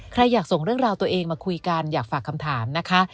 ใครอยากส่งเรื่องราวตัวเองมาคุยกันอยากฝากคำถามนะคะ